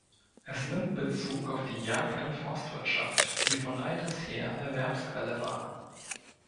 Es nimmt Bezug auf die Jagd- und Forstwirtschaft, die von alters her Erwerbsquelle war.